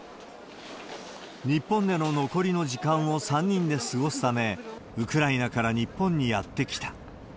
日本での残りの時間を３人で過ごすため、ウクライナから日本にやって来た。